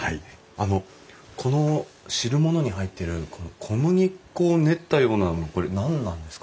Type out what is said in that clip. あのこの汁物に入ってるこの小麦粉を練ったようなのこれ何なんですか？